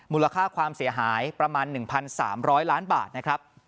มูลค่าความเสียหายประมาณ๑๓๐๐ล้านบาทนะครับ